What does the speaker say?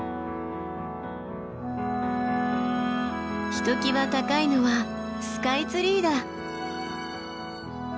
ひときわ高いのはスカイツリーだ。